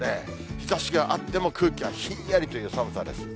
日ざしがあっても、空気はひんやりという寒さです。